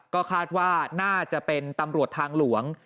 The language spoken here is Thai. ก็คาดว่าน่าจะเป็นตำรวจทางหลวง